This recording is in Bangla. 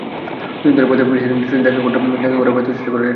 দুদিন ধরে তিনি প্রেসিডেন্টের সঙ্গে দেখা করার ব্যর্থ চেষ্টা করে যাচ্ছিলেন।